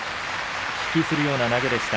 引きずるような投げでした。